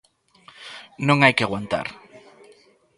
"Non hai que aguantar".